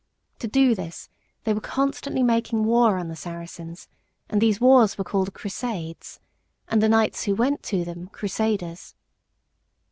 To do this they were constantly making war on the Saracens, and these wars were called Crusades, and the knights who went to them Crusaders.